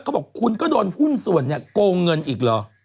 เขาบอกคุณก็โดนหุ้นส่วนเนี่ยโกงเงินอีกเหรอ